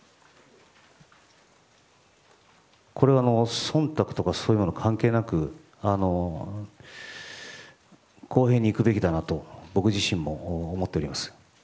これは忖度とかそういうものは関係なく公平にいくべきだなと僕自身も思っています。